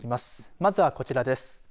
まずは、こちらです。